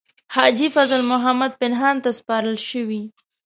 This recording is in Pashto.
حاجي فضل محمد پنهان ته سپارل شوې.